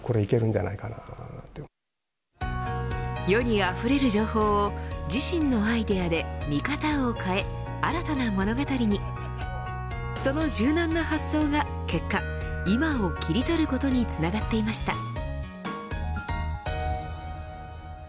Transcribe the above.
世にあふれる情報を自身のアイデアで見方を変え、新たな物語にその柔軟な発想が結果今を切り取ることにつながっていました。